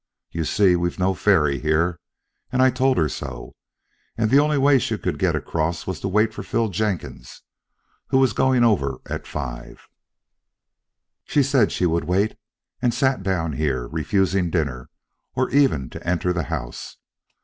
You see, we've no ferry here, and I told her so, and the only way she could get across was to wait for Phil Jenkins, who was going over at five. She said she would wait, and sat down here, refusing dinner, or even to enter the house.